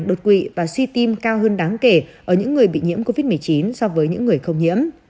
đột quỵ và suy tim cao hơn đáng kể ở những người bị nhiễm covid một mươi chín so với những người không nhiễm